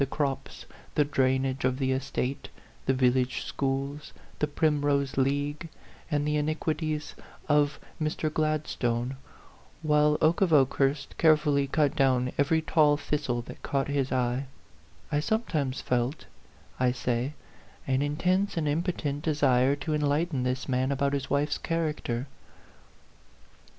97 the crops, the drainage of the estate, the vil lage schools, the Primrose League, and the iniquities of Mr. Gladstone, while Oke of Okehurst carefully cut down every tall this tle that caught his eye I sometimes felt, I say, an intense and impotent desire to en lighten this man about his wife's character.